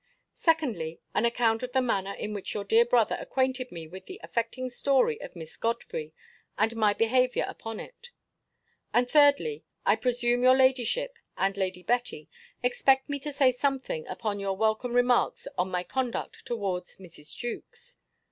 Secondly, an account of the manner in which your dear brother acquainted me with the affecting story of Miss Godfrey, and my behaviour upon it. And, thirdly, I presume your ladyship, and Lady Betty, expect me to say something upon your welcome remarks on my conduct towards Mrs. Jewkes.